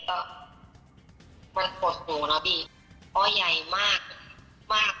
ก็มันฝ่าสนุนมันมาก